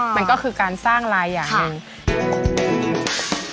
อันนี้ก็คือการสร้างลายอย่างหนึ่ง